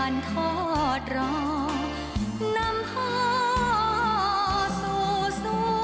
ต่อสู่สวงสวรรค์